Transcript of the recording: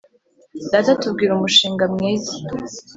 Data atubwira umushinga mwiza